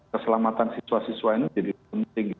keselamatan siswa siswa ini jadi penting